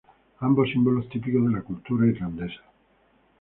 Ambos símbolos típicos de la cultura irlandesa.